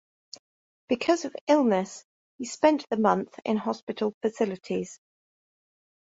Because of illness, he spent the month in hospital facilities.